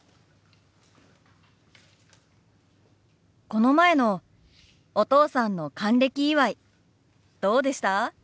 この前のお父さんの還暦祝どうでした？